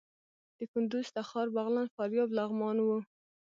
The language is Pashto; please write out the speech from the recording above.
د کندوز، تخار، بغلان، فاریاب، لغمان وو.